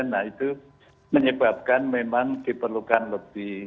nah itu menyebabkan memang diperlukan lebih